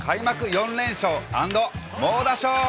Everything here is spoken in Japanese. ４連勝＆猛打賞。